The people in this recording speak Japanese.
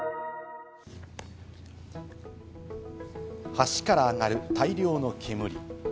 橋から上がる大量の煙。